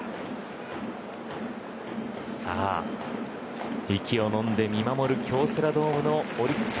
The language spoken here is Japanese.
さあ、息をのんで見守る京セラドームのオリックス